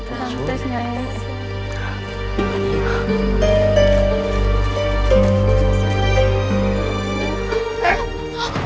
aboe batik batik